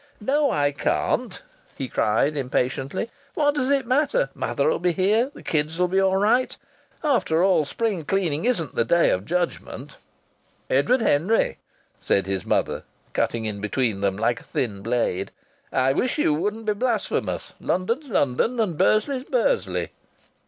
"No, I can't!" he cried impatiently. "What does it matter? Mother'll be here. The kids'll be all right. After all, spring cleaning isn't the Day of Judgment." "Edward Henry," said his mother, cutting in between them like a thin blade, "I wish you wouldn't be blasphemous. London's London, and Bursley's Bursley."